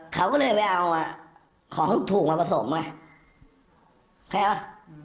เขาก็เลยไปเอาของลูกถูกมาผสมไงเข้า